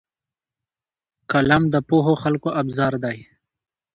قلم د پوهو خلکو ابزار دی